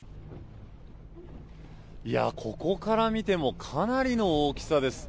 ここから見てもかなりの大きさです。